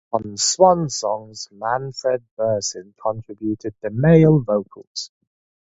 On "Swansongs", Manfred Bersin contributed the male vocals.